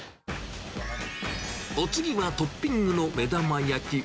お次はトッピングの目玉焼き。